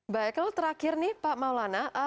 baiklah terakhir nih pak maulana